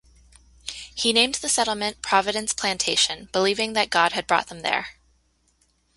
He named the settlement Providence Plantation, believing that God had brought them there.